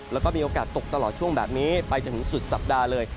แล้วก็มีโอกาสตกตลอดช่วงแบบนี้ไปจนถึงสุดสัปดาห์เลย